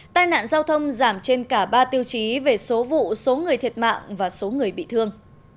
tai nạn giao thông giảm trên cả ba tiêu chí về số vụ số người thiệt mạng và số người bị thương